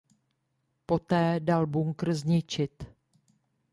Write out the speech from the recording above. Poté dal bunkr zničit.